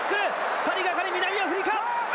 ２人がかり南アフリカ！